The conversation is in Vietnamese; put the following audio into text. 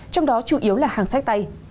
trong đó chủ yếu là hàng sách tay